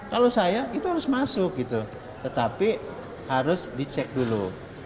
kalau saya itu harus masuk gitu tetapi harus dicek dulu